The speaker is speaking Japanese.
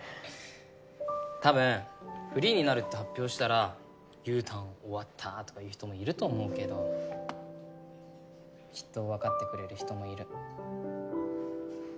たぶんフリーになるって発表したら「ゆうたん終わった」とかいう人もいると思うけどきっと分かってくれる人もいる。